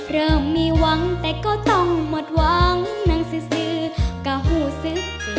เริ่มมีหวังแต่ก็ต้องหมดหวังนั่งซื้อก็หู้สึกเจ็บ